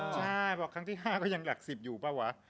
ใช่เพราะครั้งที่๕ก็ยังหลัก๑๐อยู่ปะวะ